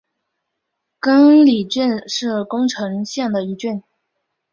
亘理郡是宫城县的一郡。